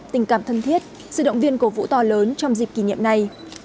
tình cảm thân thiết sự động viên cổ vũ to lớn trong dịp kỷ niệm này